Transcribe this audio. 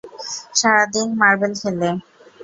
সারাদিন মার্বেল খেলে।